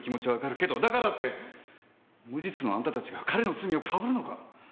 けどだからって無実のあんたたちが彼の罪をかぶるのか！？